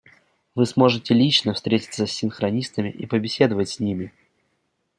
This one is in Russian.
Вы сможете лично встретиться с синхронистами и побеседовать с ними.